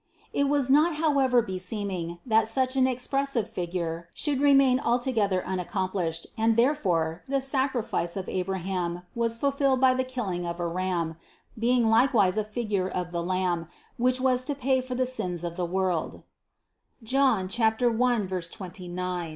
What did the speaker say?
It was not how ever beseeming, that such an expressive figure should remain altogether unaccomplished and therefore the sac rifice of Abraham was fulfilled by the killing of a ram, being likewise a figure of the Lamb, which was to pay for the sins of the world (Joan 1, 29). 158.